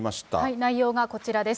内容がこちらです。